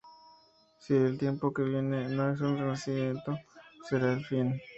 Si el tiempo que viene no es un Renacimiento será el fin.